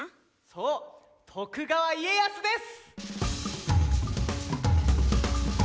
そう徳川家康です！